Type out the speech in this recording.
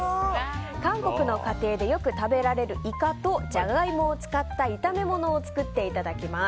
韓国の家庭でよく食べられるイカとジャガイモを使った炒め物を作っていただきます。